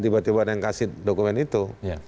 tiba tiba ada yang kasih dokumen itu